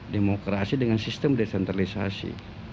demokrasi dengan sistem desentralisasi